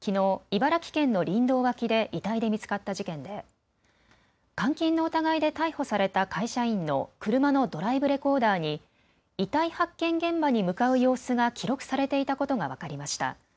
茨城県の林道脇で遺体で見つかった事件で、監禁の疑いで逮捕された会社員の車のドライブレコーダーに遺体発見現場に向かう様子が記録されていたことが分かりました。